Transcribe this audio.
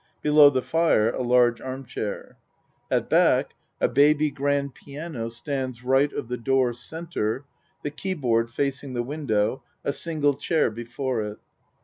Below the fire a large arm chair. At back a baby grand piano stands R. of the door C. the keyboard facing the window a sin gle chair before it.